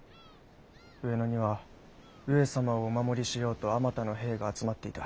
上野には上様をお守りしようとあまたの兵が集まっていた。